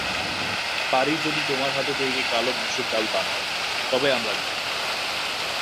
পারি যদি তোমার হাতে তৈরি কালো মসুর ডাল বানাও, তবে আমরা খাব।